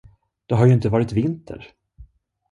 Det har ju inte varit vinter.